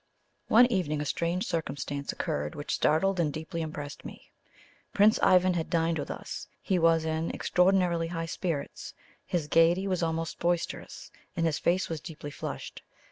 One evening a strange circumstance occurred which startled and deeply impressed me. Prince Ivan had dined with us; he was in extraordinarily high spirits his gaiety was almost boisterous, and his face was deeply flushed.